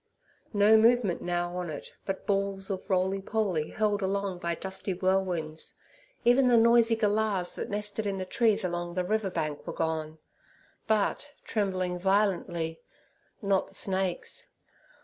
No movement now on it but balls of roley poley, hurled along by dusty whirlwinds. Even the noisy galahs that nested in the trees along the river bank were gone. But—trembling violently—not the snakes.